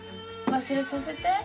忘れさせて。